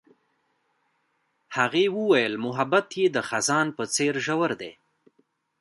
هغې وویل محبت یې د خزان په څېر ژور دی.